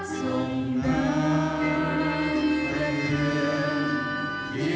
จึงเป็นเรื่องเหลียดเมืองไทย